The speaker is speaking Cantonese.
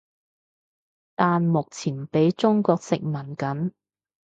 但目前畀中國殖民緊